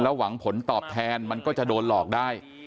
หวังผลตอบแทนมันก็จะโดนหลอกได้